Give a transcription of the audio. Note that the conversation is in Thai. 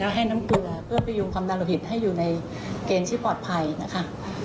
แล้วให้น้ำเกลือเพื่อประยุงความนาฬิถิให้อยู่ในเกณฑ์ที่ปลอดภัยนะคะ